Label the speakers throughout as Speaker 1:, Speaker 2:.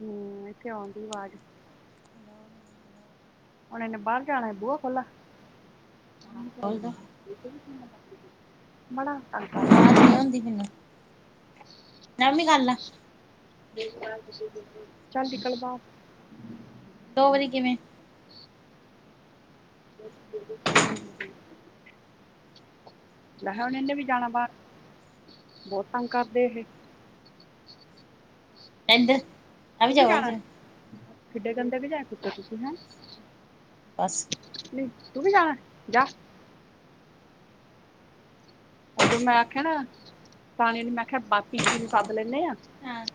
Speaker 1: ਹੂੰ ਏਥੇ ਆਉਂਦੀ ਆਵਾਜ਼।
Speaker 2: ਹੈਲੋ, ਹੈਲੋ, ਹੈਲੋ
Speaker 1: ਓਣਾ ਨੇ ਬਾਰ ਜਾਣਾ ਬੂਆ ਖੋਲਾ
Speaker 2: ਆਵਾਜ਼
Speaker 1: ਬੜਾ ਤੰਗ ਕਰ
Speaker 2: ਅਵਾਜ ਨੀ ਓਂਦੀ ਮੈਨੂੰ। ਮੈਂ ਵੀ ਕਰ
Speaker 1: ਚਲ-ਚਲ
Speaker 2: ਲਾ
Speaker 1: ਚੱਲ ਨਿਕਲ ਬਾਰ
Speaker 2: ਦੋ ਵਾਰੀ ਕਿਵੇਂ [unintelligible]
Speaker 1: ਲੈ ਹੁਣ ਇਨੇ ਵੀ ਜਾਣਾ ਬਾਰ ਬੋਤ ਤੰਗ ਕਰਦੇ ਇਹੇ।
Speaker 2: ਕੇਂਦੇ, ਆਵੀ ਜਾ ਆਵੀ ਜਾ।
Speaker 1: ਕਿੰਡਾ ਗੰਦਾ ਮਜਾਕ ਕੀਤਾ ਤੁਸੀਂ ਹੈਂ।
Speaker 2: ਬਸ।
Speaker 1: ਨਈ ਤੂ ਵੀ ਜਾਣਾ, ਜਾ। ਉਦੋਂ ਮੈਂ ਆਖੇਆ ਨਾ, ਸਿਆਣੇ ਨੂੰ ਮੈਂ ਆਖਿਆ ਬਾਪੀ ਪੀ ਨੂੰ ਸੱਦ ਲੈਣੇ ਆ
Speaker 2: ਹਾਂ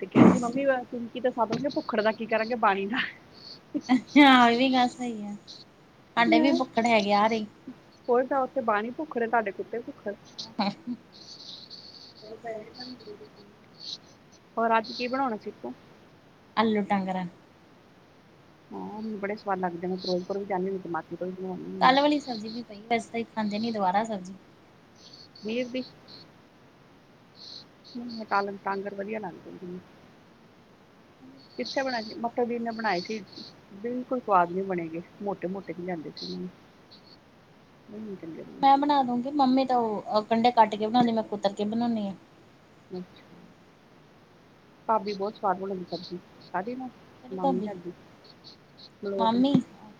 Speaker 1: ਤੇ ਕੇਂਦੀ ਮੰਮੀ ਅ ਪਿੰਕੀ ਤਾਂ ਸੱਦ ਲੈੰਨੇ ਆ ਭੁੱਖੜ ਦਾ ਕੀ ਕਰਾਂਗੇ ਬਾਣੀ ਦਾ।
Speaker 2: ਅ-ਹਾ ਏ ਵੀ ਗੱਲ ਸਹੀ ਆ, ਸਾਡੇ ਵੀ ਭੁੱਖੜ ਹੈਗੀ ਆ ਰਈ।
Speaker 1: ਕੋਈ ਤਾਂ ਉੱਥੇ ਬਾਣੀ ਭੁੱਖੜ, ਤਾਡੇ ਕੁੱਤੇ ਭੁੱਖੜ।
Speaker 2: ਐ ਹ
Speaker 1: ਹੋਰ ਅੱਜ ਕੀ ਬਣਾਉਣਾ ਸੀ ਆਪਾ?
Speaker 2: ਆਲੂ ਟਾਂਗਰਾ।
Speaker 1: ਹਾਂ ਮੈਂਨੂ ਬੜੇ ਸਵਾਦ ਲੱਗਦੇ ਨੇ ਫਿਰੋਜਪੁਰ ਵੀ ਜਾਂਦੀ ਹੁੰਦੀ ਤੇ ਮਾ ਬਣਦੀਆ ਨੇ।
Speaker 2: ਕੱਲ ਵਾਲੀ ਸਬਜ਼ੀ ਵੀ ਪਈਆ, ਵੈਸੇ ਤਾਂ ਅਸੀ ਖਾਂਦੇ ਨੀ ਦੁਬਾਰਾ ਸਬਜ਼ੀ
Speaker 1: ਪਨੀਰ ਦੀ? ਮੈਨੂੰ ਤਾਂ ਕਾਲਮ ਟਾਂਗਰ ਵੱਧੀਆ ਲੱਗਦੇ ਨੇ। ਕਿੱਥੇ ਬਣਾਏ ਸੀ, ਮੱਕੇ- ਦੀਨੇ ਬਣਾਏ ਸੀ। ਬਿਲਕੁਲ ਸਵਾਦ ਨੀ ਬਣੇ ਹੈਗੇ, ਮੋਟੇ- ਮੋਟੇ ਜੇ ਲਿਆਂਦੇ ਸੀ ਮੈ, ਮੈਨੂੰ ਨੀ ਚੰਗੇ ਲੱਗੇ।
Speaker 2: ਮੈਂ ਬਣਾ ਦੂੰਗੀ ਮੰਮੀ ਤਾਂ ਉਹ ਕੰਢੇ ਕੱਟ ਕੇ ਬਣਾਉਂਦੀ ਮੈਂ ਕੁਤਰ ਕੇ ਬਣਾਉਣੀ ਆ।
Speaker 1: ਅੱਛਾ। ਭਾਬੀ ਬੋਤ ਸਵਾਦ ਬਣਾਉਦੀ ਸਬਜ਼ੀ ਖਾਦੀ ਨਾ।
Speaker 2: ਕਿਹੜੀ
Speaker 1: ਮੰਮੀ
Speaker 2: ਭਾਬੀ
Speaker 1: ਤੁਆਡੀ
Speaker 2: ਮਾਮੀ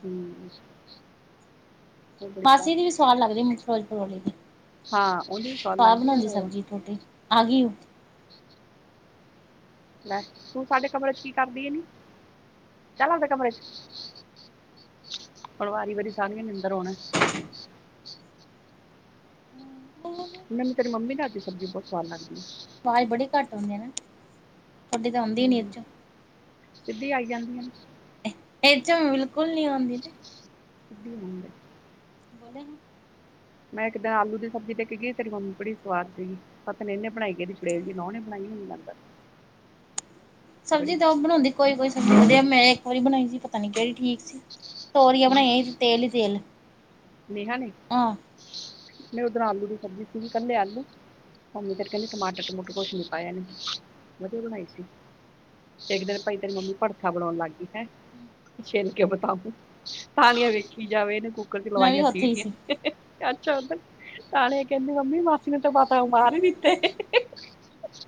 Speaker 1: ਹੂੰ ਉਹ ਬੜੀ
Speaker 2: ਮਾਸੀ ਦੀ ਵੀ ਸਵਾਦ ਲੱਗਦੀੋ ਮਿਕਸ ਵੈਜ਼ ਪਰੋਲੀ ਦੀ।
Speaker 1: ਹਾਂ ਉਹਦੀ
Speaker 2: ਸਵਾਦ
Speaker 1: ਲੱਗਦੀ ਆ
Speaker 2: ਬਣਾਉਂਦੀ
Speaker 1: ਰੋਵਾ
Speaker 2: ਸਬਜ਼ੀ ਤੇ ਰੋਟੀ ਆ ਗਈ ਓ।
Speaker 1: ਲੈ, ਤੂੰ ਸਾਡੇ ਕਮਰੇ ਚ ਕੀ ਕਰਦੀ ਐ ਨੀ, ਚੱਲ ਆਪਦੇ ਕਮਰੇ ਚ। ਹੁਣ ਵਾਰੀ -ਵਾਰੀ ਸਾਰੀਆਂ ਨੇ ਅੰਦਰ ਆਉਣਾ। ਮੈਨੂੰ ਤੇਰੀ ਮੰਮੀ ਦੇ ਹੱਥ ਦੀ ਸਬਜ਼ੀ ਬੋਤ ਸਵਾਦ ਲੱਗਦੀ ਐ।
Speaker 2: ਆਵਾਜ਼ ਬੜੀ ਘੱਟ ਆਓਂਦੀ ਨਾ, ਤੁਆਡੀ ਤਾਂ ਆਉਂਦੀ ਨੀ ਇਹਦੇ ਚੋਂ।
Speaker 1: ਸਿੱਧੀ ਆਈ ਜਾਂਦੀ ਆਂ
Speaker 2: ਇਹ
Speaker 1: ਨਾਂ,
Speaker 2: ਚੋਂ ਬਿਲਕੁਲ ਨੀ ਆਉਂਦੀ ਤੇ
Speaker 1: ਸਿੱਧੀ ਆਉਣ ਦੇ।
Speaker 2: ਬੋਲੇ ਹਮ।
Speaker 1: ਮੈਂ ਇੱਕ ਦਿਨ ਆਲੂ ਦੀ ਸਬਜ਼ੀ ਲੈ ਕੇ ਗਈ ਤੇਰੀ ਮੰਮੀ ਬੜੀ ਸਵਾਦ ਸੀਗੀ ਪਤਾ ਨੀ ਏਨੇ ਬਣਾਈ। ਇਹਦੀ ਛੜੇ ਨੂੰ ਬਣਾਈਆਂ ਹੁਣੇ ਲਗਦਾ
Speaker 2: ਸਬਜ਼ੀ ਤਾਂ ਉਹ ਬਣਾਉਂਦੀ ਕੋਈ -ਕੋਈ ਸਬਜੀ ਵਧੀਆ
Speaker 1: ਬੜੀ
Speaker 2: ਮੈਂ ਇੱਕ ਵਾਰੀ ਬਣਾਈ ਸੀ ਪਤਾ ਨੀ ਕਿਹੜੀ ਠੀਕ ਸੀ। ਤੋਰੀਆਂ ਬਣਾਈਆਂ ਸੀ ਤੇਲ ਹੀ ਤੇਲ
Speaker 1: ਨੇਹਾ ਨੇ,
Speaker 2: ਆਹ
Speaker 1: ਮੈਂ ਉਧਰ ਆਲੂ ਦੀ ਸਬਜ਼ੀ ਸੀਗੀ ਕੱਲੇ ਆਲੂ ਮੰਮੀ ਤੇ ਕਹਿੰਦੀ ਟਮਾਟਰ -ਟਮੂਟਰ ਕੁਛ ਨੀ ਪਾਇਆ ਵਧੀਆ ਬਣਾਈ ਸੀ। ਇੱਕ ਦਿਨ ਭਾਈ ਤੇਰੀ ਮੰਮੀ ਭਰਤਾ ਭਰਤਾ ਬਣਾਉਣ ਲੱਗ ਗਈ ਹੈਂ। ਛਿਲ ਕੇ ਬਤਾਊ ਤਾਲੀਆਂ ਵੇਖੀ ਜਾਵੇ ਇਹਨ ਕੁੱਕਰ 'ਚ
Speaker 2: ਮੈਂ ਵੀ
Speaker 1: ਲਵਾਈਆਂ
Speaker 2: ਉੱਥੇ ਹੀ ਸੀ
Speaker 1: ਸੀਟੀਆਂ ਅੱਛਾ ਉੱਧਰ ਤਣੇ ਕਹਿੰਦੀ ਮੰਮੀ ਮਾਸੀ ਨੇ ਬਤਊਆ ਮਾਰ ਹੀ ਦਿੱਤੇ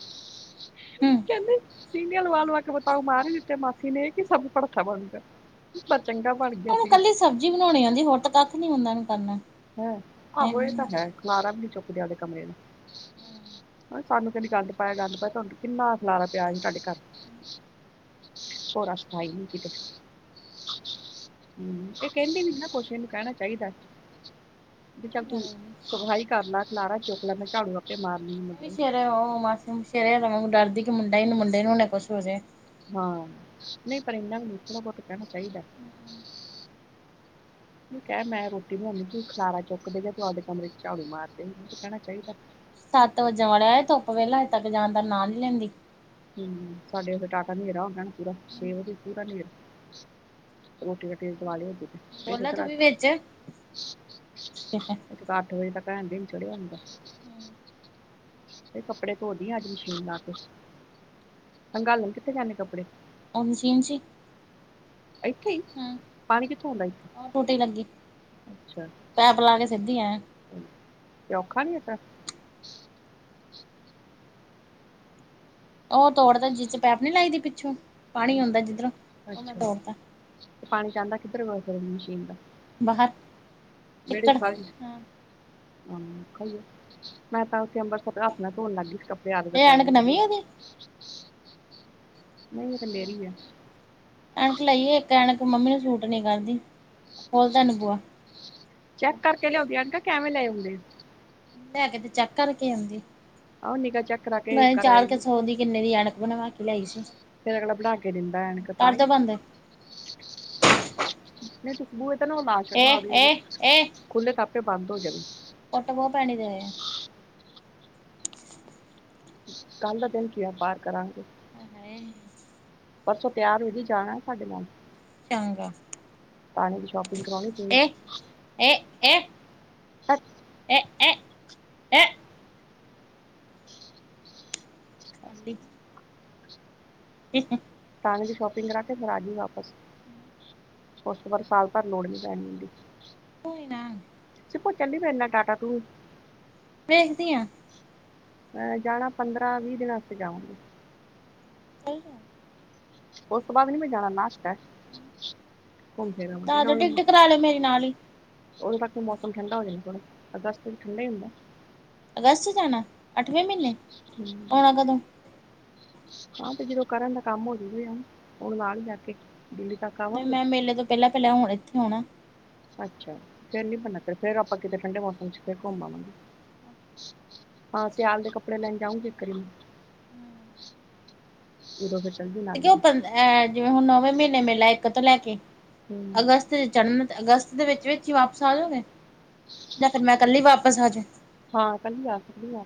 Speaker 2: [inaudible]
Speaker 1: ਕਹਿੰਦੇ ਸੀਟੀਆਂ ਲਵਾ ਲਵਾ ਕੇ ਬਤਾਓ ਮਾਰ ਹੀ ਦਿੱਤੇ ਮਾਸੀ ਨੇ ਇਹ ਕਿ ਭੜਥਾਂ ਬਣ ਜਾਊਗ
Speaker 2: ਓਹਨੂੰ ਕੱਲੀ ਸਬਜ਼ੀ ਬਣਾਉਣੀ ਆਉਂਦੀ ਹੋਰ ਤਾਂ ਕੱਖ ਕਖ ਨੀ ਆਉਂਦਾ ਓਹਨੂੰ ਕਰਨਾ। ਐਵੇ
Speaker 1: ਖਲਰਾ ਵੀ ਨੀ ਚੁੱਕਦੇਿ ਆਵਦੇ ਕਮਰੇ ਦਾ ਸਾਨੂੰ ਕਹਿੰਦੀ ਗੰਦ ਪਾਇਆ -ਗੰਦ ਪਾਇਆ ਤੁਹਾਨੂੰ ਕਿੰਨਾ ਖਲਾਰਾ ਪਿਆ ਸੀ ਤੁਹਾਡੇ ਘਰ
Speaker 2: [inaudible]
Speaker 1: ਭੋਰਾ ਸਫਾਈ ਈ ਨੀ ਕਿਤੇ ਹਮ ਇਹ ਕਹਿੰਦੀ ਨੀ ਨਾ ਕੁਛ ਇਹਨੂੰ ਕਹਿਣਾ ਚਾਹੀਦਾ। ਵੀ ਚੱਲ ਤੂੰ ਸਫਾਈ ਕਰ ਲੈ ਖਲਾਰਾ ਚੁੱਕ ਲੈ ਮੈਂ ਝਾੜੂ ਆਪੇ ਮਾਰ ਲਈ ਮਤਲਬ
Speaker 2: ਸਰੇ ਉਹ ਮਾਸੀ ਮੌਸੀ ਤੇਰੇ ਵਾਂਗੂੰ ਮੈਂ ਵੀ ਡਰਦੀ ਕਿ ਮੁੰਡਾ ਈ, ਨਾ ਮੁੰਡੇ ਨੂੰ ਈ ਨਾ ਕੁਛ ਹੋਜੇ।
Speaker 1: ਹਾਂ, ਨਹੀਂ ਪਰ ਇਹਨਾ ਵੀ ਥੋੜਾ -ਬਹੁਤ ਕਹਿਣਾ ਚਾਹੀਦਾ। ਕਿਹਾ ਮੈਂ ਰੋਟੀ ਬਣਾਉਦੀ ਸੀ ਤੂੰ ਖਲਾਰਾ ਚੁੱਕਦੇ ਫੇਰ ਤੂੰ ਆਵਦੇ ਤੁਹਾਡੇ ਕਮਰੇ ਚ ਝਾੜੂ ਮਾਰਦੇ ਕਹਿਣਾ ਚਾਹੀਦਾ।
Speaker 2: ਸੱਤ ਵਜਣ ਵਾਲੇ ਧੁੱਪ ਵੇਖਲਾ ਹਜੇ ਤੱਕ ਜਾਣ ਦਾ ਨਾਂ ਨੀ ਲੈਂਦੀ।
Speaker 1: ਹਮ ਸਾਡੇ ਉੱਥੇ ਟਾਟ ਹਨੇਰਾ ਹੁੰਦਾ ਨਾ ਪੂਰਾ, ਛੇ ਵਜੇ ਵੀ ਪੂਰਾ ਹਨੇਰਾ ਰੋਟੀ -ਰੋਟੀ ਦੇ ਦਵਾਲੇ ਹੁੰਦੀ ਇਸ
Speaker 2: ਬੋਲਾ ਤੂੰ
Speaker 1: ਤਰਾ
Speaker 2: ਵੀ ਵਿੱਚ
Speaker 1: ਇੱਕ ਤਾਂ ਅੱਠ ਵਜੇ ਤੱਕ
Speaker 2: ਹਮ
Speaker 1: ਤੇ ਕੱਪੜੇ ਧੋਦੀ ਲਈਏ ਆ ਅੱਜ ਮਸ਼ੀਨ ਲਾ ਕੇ ਅੰਗਾਲਣ ਕਿੱਥੇ ਜਾਣੇ ਕੱਪੜੇ
Speaker 2: ਉਹ ਮਚੀਨ ਚ
Speaker 1: ਇੱਥੇ ਹੀ
Speaker 2: ਹਮ
Speaker 1: ਪਾਣੀ ਕਿੱਥੋਂ ਆਉਂਦਾ ਇੱਥੇ
Speaker 2: ਔਹ ਟੂਟੀ ਲੱਗੀ
Speaker 1: ਅੱਛਾ
Speaker 2: ਪਾਇਪ ਲਾ ਕੇ ਸਿੱਧੀ ਆ
Speaker 1: ਔਖਾ ਨੀ ਏਦਾਂ
Speaker 2: ਉਹ ਤੋੜਦਾ ਜਿਸ ਚ ਪਾਇਪ ਨੀ ਲਾਈਦੀ ਪਿੱਛੋਂ ਪਾਣੀ ਹੁੰਦਾ ਆਉਂਦਾ ਜਿੱਧਰੋਂ ਉਹ ਮੈਂ
Speaker 1: ਅੱਛਾ
Speaker 2: ਤੋੜਦਾ
Speaker 1: ਪਾਣੀ ਜਾਂਦਾ ਕਿੱਧਰ ਹੋਰ ਫਿਰ ਮਸ਼ੀਨ ਦਾ
Speaker 2: ਬਾਹਰ
Speaker 1: ਵਿਹੜੇ
Speaker 2: ਚਿੱਕੜ
Speaker 1: ਵਿੱਚ
Speaker 2: ਹਾਂ
Speaker 1: ਹਾ ਮੈਂ ਤਾਂ ਉੱਥੇ ਅੰਬਰਸਰ ਹੱਥ ਨਾ ਧੋਣ ਲੱਗ ਗਈ ਕੱਪੜੇ ਆਦਗ
Speaker 2: ਇਹ
Speaker 1: ਪੈ
Speaker 2: ਐਨਕ ਨਵੀਂ
Speaker 1: ਗਈ।
Speaker 2: ਉਹਦੀ
Speaker 1: ਨਹੀਂ ਉਹ ਤਾਂ ਲੇ
Speaker 2: ਐਣਕ ਲਾਈ ਹੋਈ ਏ ਇੱਕ ਐਣਕ ਮੰਮੀ ਨੂੰ ਸੂਟ ਨੀ ਕਰਦੀ। ਖੋਲਦਾ ਨੀ ਬੂਆ
Speaker 1: ਚੈੱਕ ਕਰਕੇ ਲਿਆਉਂਦੀ ਆਂ ਕਿ ਐਵੇਂ ਲੈ ਆਉਂਦੇ।
Speaker 2: ਲੈ ਕੇ ਤੇ ਚੈੱਕ ਕਰਕੇ ਆਉਂਦੀ ਏ
Speaker 1: ਆਹ ਨਿਗਾ ਚੈੱਕ ਕਰਾ ਕੇ
Speaker 2: ਮੈਂ
Speaker 1: ਕਰਾਈ
Speaker 2: ਚਾਰ ਕ ਸੌ ਦੀ ਕਿੰਨੇ ਦੀ ਐਣਕ ਬਣਵਾ ਕੇ ਲਾਈ ਸੀ।
Speaker 1: ਫਿਰ ਅਗਲਾ ਬਣਾ ਕੇ ਦਿੰਦਾ ਐਣਕ ਤਾਂਈ
Speaker 2: ਕਰਦੋ ਬੰਦ
Speaker 1: ਨਹੀਂ ਖਸ਼ਬੂ ਤੈਨੂੰ ਲ
Speaker 2: ਏ ਏ ਏ
Speaker 1: ਸਕ ਖੁੱਲ੍ਹੇ-ਖਾਤੇ ਬੰਦ ਹੋਗੇ ਨੇ
Speaker 2: ਕੁੱਟ ਬਹੁ ਪੈਣੀ ਤੇਰੇ।
Speaker 1: ਕੱਲ ਦਾ ਦਿਨ ਕੀ ਆ ਪਾਠ ਕਰਾਂਗੇ।
Speaker 2: ਹੈ,
Speaker 1: ਪਰਸੋਂ ਤਿਆਰ ਹੋਜੀ ਜਾਣਾ ਸਾਡੇ ਨਾਲ
Speaker 2: ਚੰਗਾ।
Speaker 1: ਪਾਣੀ ਦੀ ਸ਼ਾਪਿੰਗ ਕਰਾਉਣੀ ਤੁਹੀ।
Speaker 2: ਇਹ-ਇਹ, ਇਹ-ਇਹ, ਇਹ ਕੱਲ ਈ, [unintelligible]
Speaker 1: ਪਾਣੀ ਦੀ ਸ਼ੋਪਿੰਗ ਕਰਾ ਕੇ ਫਿਰ ਆ ਜਈ ਵਾਪਸ
Speaker 2: ਹਮ
Speaker 1: ਉਸ ਤੋਂ ਬਾਅਦ ਸਾਲ ਭਰ ਲੋੜ ਨੀ ਪੈਣੀ ਹੁੰਦੀ।
Speaker 2: ਕੋਈ ਨਾ,
Speaker 1: ਸੀ ਪੁੱਚਣ ਡ ਮੇਨਾ ਡਾਟਾ ਤੂੰ,
Speaker 2: ਵੇਖਦੀ ਆ
Speaker 1: ਮੈਂ ਜਾਣਾ ਪੰਦਰਾਂ-ਵੀਹ ਦਿਨਾਂ ਆਸਤੇ ਜਾਵਾਂਗੇ।
Speaker 2: ਸਹੀ ਐ।
Speaker 1: ਉਸ ਤੋਂ ਬਾਅਦ ਨਹੀਂ ਮੈਂ ਜਾਣਾ ਲਾਸਟ ਹੈ ਘੁੰਮ ਫਿਰ ਆਵਾਂਗੇ
Speaker 2: ਕਰਾਦੋ ਟਿਕਟ ਕਰਾ ਲੈ ਮੇਰੇ ਨਾਲ ਈ,
Speaker 1: ਉਹਦੋਂ ਤੱਕ ਮੌਸਮ ਠੰਢਾ ਹੋ ਜਾਂਦਾ ਥੋੜਾ ਅਗਸਤ ਠੰਢਾ ਈ ਹੁੰਦਾ।
Speaker 2: ਅਗਸਤ ਚ ਜਾਣਾ, ਅੱਠਵੇਂ ਮਹੀਨੇ, ਆਉਣਾ ਕਦੋਂ?
Speaker 1: ਹਾਂ ਤੇ ਜਦੋਂ ਕਰਨ ਦਾ ਕੰਮ ਹੋ ਜੂਗਾ, ਉਹਨੂੰ ਨਾਲ ਹੀ ਜਾ ਕੇ ਦਿੱਲੀ ਤੱਕ
Speaker 2: ਨਹੀਂ
Speaker 1: ਆਵਾਂਗੇ
Speaker 2: ਮੈਂ ਮੇਲੇ ਤੋਂ ਪਹਿਲਾ-ਪਹਿਲਾ ਹੁਣ ਇੱਥੇ ਹੋਣਾ।
Speaker 1: ਅੱਛਾ, ਫਿਰ ਨੀ ਬਨਾ ਫੇਰ ਆਪਾਂ ਕਿਤੇ ਠੰਡੇ ਮੌਸਮ ਚ ਫਿਰ ਘੁੰਮਵਾਂਗੇ, ਹਾਂ ਸਿਆਲ ਦੇ ਕੱਪੜੇ ਲੈਣ ਜਾਊਗੀ ਇੱਕ ਵਾਰੀ,
Speaker 2: ਹੂੰ।
Speaker 1: ਉਦੋਂ ਫੇਰ ਚੱਲਦੀ
Speaker 2: ਦੇ ਕਿ ਐਂ ਜਿਵੇਂ ਹੁਣ ਨੋਵੇਂ ਮਹੀਨੇ ਮੇਲਾ ਆ ਇੱਕ ਤੋਂ ਲੈ ਕੇ
Speaker 1: ਹੂੰ
Speaker 2: ਅਗਸਤ ਦੇ ਚੜਨ ਤੇ ਅਗਸਤ ਦੇ ਵਿੱਚ-ਵਿੱਚ ਹੀ ਵਾਪਸ ਆ ਜਾਓਗੇ? ਜਾ ਫਿਰ ਮੈਂ ਕੱਲੀ ਵਾਪਸ ਆਜੂ।
Speaker 1: ਹਾਂ ਕੱਲੀ ਆ ਸਕਦੀ ਆ।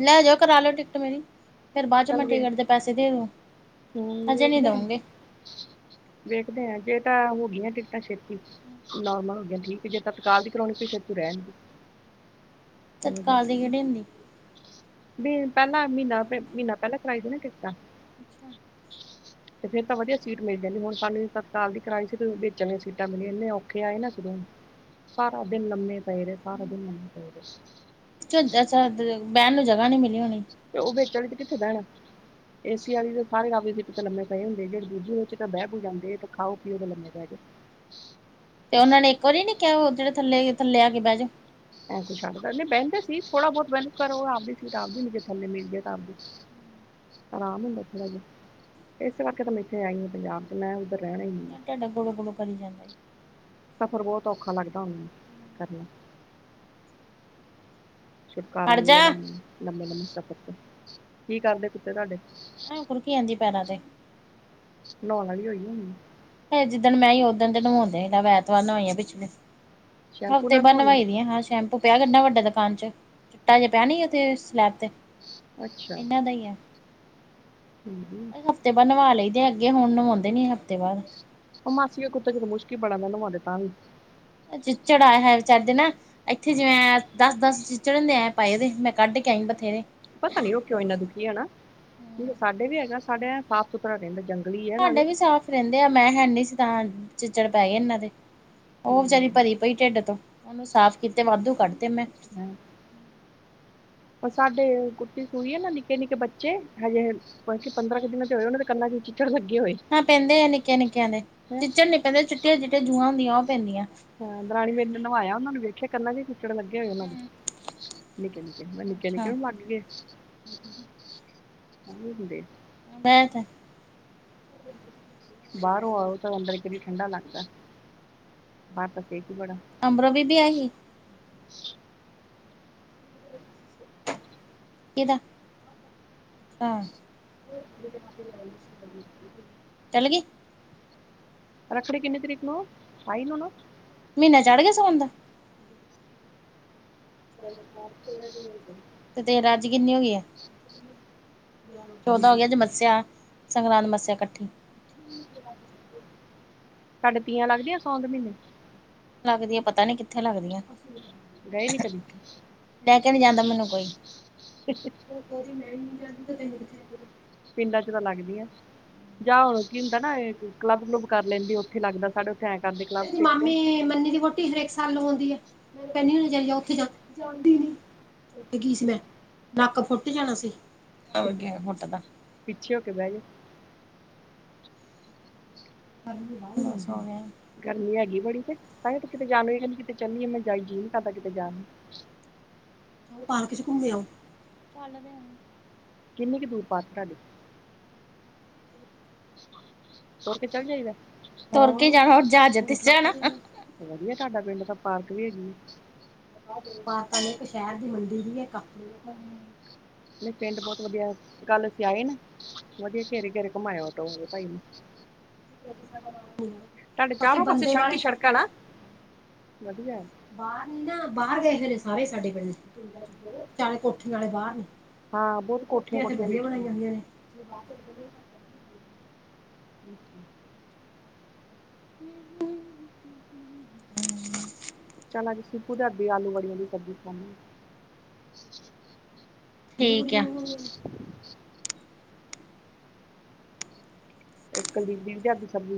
Speaker 2: ਲੈ ਜਾਇਓ ਕਰਾ ਲਿਓ ਟਿਕਟ ਮੇਰੀ, ਫੇਰ ਬਾਅਦ ਚ
Speaker 1: ਚੱਲ
Speaker 2: ਮੈਂ
Speaker 1: ਵੇਖ
Speaker 2: ਟਿਕਟ ਦੇ ਪੈਸੇ ਦੇ ਦੂ।
Speaker 1: ਹੂੰ ਵੇਖਦੇ ਆ, ਵੇਖਦੇ ਆ ਜੇ ਤਾਂ ਹੋ ਗਈਆ ਟਿਕਟਾਂ ਛੇਤੀ ਨੋਰਮਲ ਹੋ ਗਿਆ ਠੀਕ ਜੇ ਤੇ ਤਤਕਾਲ ਦੀ ਕਰਾਉਣੀ ਫੇਰ ਤੂੰ ਰਹਿ,
Speaker 2: ਤਤਕਾਲ ਦੀ ਕਿਹੜੀ ਹੁੰਦੀ?
Speaker 1: ਵੀ ਪਹਿਲਾਂ ਮਹੀਨਾ, ਮਹੀਨਾ ਪਹਿਲਾਂ ਕਰਾਈ ਸੀ ਨਾ ਟਿਕਟਾਂ।
Speaker 2: ਅੱਛਾ।
Speaker 1: ਤੇ ਫੇਰ ਤਾਂ ਵਧੀਆ ਸੀਟ ਮਿਲ ਜਾਂਦੀ ਹੁਣ ਸਾਨੂੰ ਤਤਕਾਲ ਦੀ ਕਰਵਾਈ ਸੀ ਵਿਚ ਦੀਆਂ ਸੀਟਾਂ ਮਿਲੀਆ ਇਨੇ ਔਖੇ ਆਏ ਨਾ ਸੋਂ ਸਾਰਾ ਦਿਨ ਲੰਮੇ ਪਏ ਰਹੇ ਸਾਰਾ ਦਿਨ।
Speaker 2: [unintelligible] ਬਹਿਣ ਨੂੰ ਜਗ੍ਹਾ ਨਹੀਂ ਮਿਲੀ ਹੋਣੀ।
Speaker 1: ਤੇ ਉਹ ਵਿੱਚ ਤੇ ਆਲੀ ਕਿੱਥੇ ਬਹਿਣ, ਏਸੀ ਆਲੀ ਦੇ ਸਾਰੇ ਰਾਹ ਦੇ ਵਿੱਚ ਲੰਮੇ ਪਏ ਹੁੰਦੇ ਜੇ ਦੂਜੇ ਵਿੱਚ ਤਾਂ ਬਹਿ ਬੂ ਜਾਂਦੇ ਤਾਂ ਖਾਓ ਪੀਓ ਤਾਂ ਲੰਮੇ ਪੈ ਜੋ।
Speaker 2: ਤੇ ਉਹਨਾਂ ਨੇ ਇੱਕ ਵਾਰੀ ਨੀ ਕਿਹਾ ਜਿਹੜੇ ਥੱਲੇ-ਥੱਲੇ ਆ ਕੇ ਬਹਿ ਜਾਓ।
Speaker 1: ਐਂ ਛੱਡ ਨਹੀਂ ਬਹਿੰਦੇ ਸੀ ਥੋੜਾ ਬਹੁਤ ਮਿਹਨਤ ਕਰੋ ਆਪਦੀ ਸੀ ਤਾਂ ਆਪਦੀੇ ਥੱਲੇ ਮਿਲ ਜਾਏ ਤਾਂ ਆਪਦੀ
Speaker 2: ਹਮ [inaudible]
Speaker 1: ਆਰਾਮ ਹੁੰਦਾ ਥੜਾ ਜਾ। ਇਸ ਕਰਕੇ ਮੈਂ ਇੱਥੇ ਆਈ ਹਾਂ ਪੰਜਾਬ ਚ ਮੈਂ ਉੱਧਰ ਰਹਿਣਾ ਹੀ ਨਹੀਂ
Speaker 2: ਟੀਡ ਗੁਲੂ ਗੁਲੂ ਕਰੀ ਜਾਂਦਾ ਈ।
Speaker 1: ਸਫ਼ਰ ਬੋਤ ਔਖਾ ਲੱਗਦਾ ਹੁਨ ਕਰਨਾ। ਛੁਟਕਾਰਾ
Speaker 2: ਹਟ ਜਾ
Speaker 1: ਮਿਲਿਆਂ ਲੰ ਲੰਮੇ-ਲੰਮੇ ਸਫ਼ਰ ਤੇ ਕੀ ਕਰਦੇ ਕੁੱਤੇ ਤਾਡੇ
Speaker 2: ਏ ਖੁਰਕੀ ਜਾਂਦੀ ਪੈਰਾਂ ਤੇ
Speaker 1: ਨਾਉਣ ਵਾਲੀ ਹੋਈ ਦੀ ਹੋਣੀ ਏ।
Speaker 2: ਹਜੇ ਜਿੱਦਣ ਮੈਂ ਆਈ ਓਦਣ ਤੇ ਨਵਾਉਂਦੇ ਨਾ ਐਤਵਾਰ ਨਵਾਈ ਆ ਪਿਛਲੇ।
Speaker 1: ਸ਼ੈਂਪੂ
Speaker 2: ਹਫ਼ਤੇ
Speaker 1: ਨਾਲ
Speaker 2: ਬਾਦ
Speaker 1: ਨਹਾਉਣਾ
Speaker 2: ਨਵਾਈ ਦੀ ਆ ਹਾਂ ਸ਼ੈਂਪੂ ਪਿਆ ਕਿੱਨਾ ਵੱਡਾ ਦੁਕਾਨ 'ਚ। ਤਾ ਹਜੇ ਪੈਨੀ ਉਥੇ ਸਲੈਪ ਤੇ
Speaker 1: ਅੱਛਾ
Speaker 2: ਇਨਾਂ ਦਾ ਈ ਐ
Speaker 1: ਹਮ, ਹਮ।
Speaker 2: ਹਫ਼ਤੇ ਬਾਅਦ ਨਵਾ ਲਈਦਾ ਅੱਗੇ ਹੁਨ ਨਵਾਉਂਦੇ ਨੀ ਹਫ਼ਤੇ ਬਾਦ
Speaker 1: ਔ ਮਾਸੀ ਦੇ ਕੁੱਤੇ ਕੋਲੋ ਮੁਸ਼ਕ ਈ ਬੜਾ ਨਵਾਂ ਦੇਨ ਤਾਂਵੀ
Speaker 2: ਚਿਚੜ ਆਏ ਹਾਏ ਵਿਚਾਰੇ ਦੇ ਨਾ ਇੱਥੇ ਜਿਵੇਂ ਦਸ-ਦਸ ਚਿਚੜ ਇਨੇ ਐਂ ਪਾਏਂਦੇ ਮੈਂ ਕੱਢ ਕੇ ਆਈਂ ਬਥੇਰੇ।
Speaker 1: ਪਤਾ ਨੀ ਔ ਕਿਓ ਇੰਨਾ ਦੁਖੀ ਆ ਨਾ
Speaker 2: ਹੂੰ
Speaker 1: ਸਾਡੇ ਵੀ ਹੈਗਾ ਸਾਡੇ ਐਂ ਸਾਫ ਸੁਥਰਾ ਰੇਂਦਾ ਜੰਗਲੀ ਐ ਨਾਲੇ।
Speaker 2: ਰੈਂਦੇ ਆ ਮੈਂ ਹੈਨੀ ਸੀ ਤਾਂ ਚਿੱਚੜ ਪੈਗੇ ਇਨਾਂ ਦੇ। ਔ ਵਿਚਾਰੀ ਭਰੀ ਪਈ ਢਿੱਡ ਤੋਂ ਉਨੂੰ ਸਾਫ਼ ਕੀਤੇ ਵਾਧੂ ਕੱਢ ਤੇ ਮੈਂ।
Speaker 1: [unintelligible] ਔ ਸਾਡੇ ਕੁੁੱਤੀ ਸੂਈ ਏ ਨਾ ਨਿੱਕੇ-ਨਿੱਕੇ ਬੱਚੇ ਹਜੇ ਬਲਕਿ ਪੰਦਰਾਂ ਕੁ ਦਿਨਾਂ ਦੇ ਹੋਏ ਸੋਨੇ ਉਨਾਂ ਦੇ ਕੰਨਾ 'ਚ ਵੀ ਚਿ ਚੜ ਲੱਗੇ ਹੋਏ।
Speaker 2: ਹਾਂ ਪੈਂਦੇ ਆ ਨਿੱਕਿਆਂ-ਨਿੱਕਿਆਂ ਦੇ
Speaker 1: ਹ
Speaker 2: ਚਿੱਚੜ ਨੀ ਪੈਂਦੇ ਚਿੱਟੀਆਂ-ਚਿੱਟੀਆਂ ਜੂਆਂ ਹੁੰਦੀਆਂ ਉਹ ਪੈਂਦੀਆਂ।
Speaker 1: ਦਰਾਣੀ ਮੇਰੀ ਨੇ ਨਵਾਇਆ ਉਨਾਂ ਨੂੰ ਵੇਖਿਆ ਕੰਨਾ ਤੇ ਚਿਚੜ ਲੱਗੇ ਹੋਏ ਉਨਾਂ ਦੇ
Speaker 2: ਹੂੰ
Speaker 1: ਨਿੱਕੇ-ਨਿੱਕੇ। ਮੈਂ
Speaker 2: ਅੱਛਾ
Speaker 1: ਨਿੱਕੇ-ਨਿੱਕੇਆਂ ਨੂੰ ਲੱਗਗੇ। ਐਵੀਂ ਹੁੰਦੇ।
Speaker 2: [unintelligible]
Speaker 1: ਬਾਰੋਂ ਆਓ ਤਾਂ ਅੰਦਰ ਕਿ ਠੰਡਾ ਲੱਗਦਾ। ਬਾਰ ਤਾਂ ਸੇਕ ਈ ਬੜਾ।
Speaker 2: ਅਮਰੋ ਵੀ ਵਿਆਹੀ। [inaudible] ਕਿਦਾ ਅੱਛਾ। ਚੱਲਗੀ।
Speaker 1: ਰੱਖੜੀ ਕਿੰਨੀ ਤਰੀਕ ਨੂੰ ਅ? ਠਾਈ ਨੂੰ ਨਾ।
Speaker 2: ਮੀਨਾ ਚੜ੍ਹ ਗਿਆ ਸੋਨ ਦਾ। [inaudible] ਤੇਰ ਅੱਜ ਕਿੰਨੀ ਹੋਈ ਐ? ਚੌਦਾਂ ਹੋਗੀ ਅਜ ਮੱਸਿਆ। ਸੰਗਰਾਂਦ-ਮੱਸਿਆ ਕੱਠੀ।
Speaker 1: [unintelligible] ਤਾਡੇ ਤੀਆਂ ਲੱਗਦੀਆਂ ਸੋਨ ਦੇ ਮਹੀਨੇ 'ਚ?
Speaker 2: ਲੱਗਦੀਆ ਪਤਾ ਨੀ ਕਿੱਥੇ ਲੱਗਦੀਆਂ।
Speaker 1: ਗਏ ਨੀ ਕਦੇ।
Speaker 2: ਲੈ ਕੇ ਨੀ ਜਾਂਦਾ ਮੈਨੂੰ ਕੋਈ।
Speaker 1: [unintelligible] ਪਿੰਡਾਂ ਚ ਤਾਂ ਲੱਗਦੀਆਂ।
Speaker 2: [inaudible]
Speaker 1: ਜਾਂ ਹੁਣ ਕੀ ਹੁੰਦਾ ਨਾ ਕਲੱਬ ਕਲੁੱਬ ਕਰ ਲੈਂਦੀ ਉੱਥੇ ਲੱਗਦਾ ਸਾਡੇ ਉੱਥੇ ਐਂ ਕਰਦੇ ਕਲੱਬ
Speaker 2: ਏਦੀ
Speaker 1: ਚ ਇੱਕ ਦਿਨ
Speaker 2: ਮਾਮੀ ਮੰਨੀ ਦੀ ਵੋ ਟੀ ਹਰੇਕ ਸਾਲ ਨੂੰ ਲਵਾਉਂਦੀ ਐ ਮੈਨੂੰ ਕਹਿੰਦੀ ਏ ਉੱਥੇ ਚਲੀ ਜਾ ਜਾਂਦੀ ਨੀ ਫੁੱਟ ਗੀ ਸੀ ਮੈਂ ਨੱਕ ਫੁੱਟ ਜਾਣਾ ਸੀ ਔ ਕਿਵੇਂ ਫੁੱਟਦਾ।
Speaker 1: ਪਿੱਛੇ ਹੋ ਕੇ ਬੈਜੋ।
Speaker 2: ਬਸ ਹੋ ਗਿਆ
Speaker 1: ਗਰਮੀ ਹੈਗੀ ਬੜੀ ਤੇ [unintelligible] ਕਿਤੇ ਚੰਨੀਏ ਮੈਂ [unintelligible] ਤਾਡਾ ਕਿਤੇ ਜਾਨ ਨੂੰ।
Speaker 2: ਪਾਰਕ 'ਚ ਘੁੰਮ ਆਉ।
Speaker 1: ਕਿੰਨੀ ਕੁ ਦੂਰ ਪਾਸ ਤੁਹਾਡੇ ਤੁਰ ਕੇ ਚੱਲ ਜਾਈਦਾ
Speaker 2: ਤੁਰ ਕੇ ਜਾਣਾ ਹੋਰ ਜਹਾਜ਼ ਤੇ ਜਾਣਾ।
Speaker 1: ਵਧੀਆ ਤੁਹਾਡਾ ਪਿੰਡ ਤਾਂ ਪਾਰਕ ਵੀ ਹੈਗੀ। [inaudible]
Speaker 2: ਦੋ ਪਾਰਕਾਂ ਨੇ ਇੱਕ ਸ਼ਹਿਰ ਦੀ ਮੰਡੀ ਦੀ ਇੱਕ ਆਪਣੀ ਆ ਘਰ
Speaker 1: ਨਈ ਪਿੰਡ ਬੋਤ ਵਧੀਆ ਗੱਲ ਅਸੀਂ ਆਈ ਨਾ ਵਧੀਆ ਘੇਰੇ-ਘੇਰੇ ਘੁੰਮਾਇਆ ਔਟੋ ਭਾਈ ਨੇ
Speaker 2: ਪਿੰਡ ਸਾਡਾ ਮਾੜਾ ਨੀ
Speaker 1: ਤੁਹਾਡੇ
Speaker 2: ਹੈਗਾ
Speaker 1: ਚਾਰੋਂ ਪਾਸੇ
Speaker 2: ਬੰਦੇ
Speaker 1: ਸੜਕ
Speaker 2: ਬਾਲੇ
Speaker 1: ਹੀ ਸੜਕਾਂ
Speaker 2: ਛੱਕਰ
Speaker 1: ਨਾ
Speaker 2: ਆ।
Speaker 1: ਵਧੀਆ [inaudible]
Speaker 2: ਨਾ ਬਾਹਰ ਗਏ ਹੋਏ ਨੇ ਸਾਰੇ ਸਾਡੇ ਪਿੰਡ ਦੇ ਚਾਲੇ ਕੋਠੀਆਂ ਵਾਲੇ ਬਾਹਰ ਨੇ
Speaker 1: ਹਾਂ ਬੋਤ
Speaker 2: ਇੱਥੇ
Speaker 1: ਕੋਠੀਆਂ-ਕੋਠੀਆਂ
Speaker 2: ਵਧੀਆ
Speaker 1: ਦੇਖੀਆਂ ਨੇ।
Speaker 2: ਬਣਾਈਆਂ ਹੋਈਆਂ
Speaker 1: ਅਤੇ
Speaker 2: [inaudible]
Speaker 1: ਚਲ ਅ ਸ਼ਪੂ ਦੇ ਹੱਥ ਦੀ ਆਲੂ ਵੜੀਆਂ ਦੀ ਸਬਜ਼ੀ ਸਣਾ ਦੇ
Speaker 2: ਠੀਕ ਆ।
Speaker 1: ਇੱਕ ਲੀਬ ਵੀਂ ਦੇ ਹੱਥ ਦੀ ਸਬਜ਼ੀ